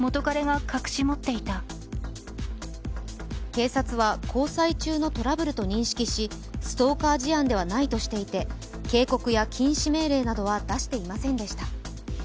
警察は交際中のトラブルと認識し、ストーカー事案ではないとしていて警告や禁止命令などは出していませんでした。